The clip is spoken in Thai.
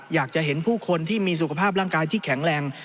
อยากจะเห็นผู้คนที่มีสุขภาพร่างกายที่แข็งแรง